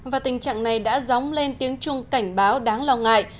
và tình trạng này đã dóng lên tiếng chuông cảnh báo đáng lo ngại